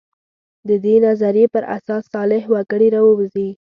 د دې نظریې پر اساس صالح وګړي راووځي.